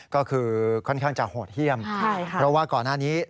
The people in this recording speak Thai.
ก็คือค่อนข้างจะโหดเยี่ยมเพราะว่าก่อนหน้านี้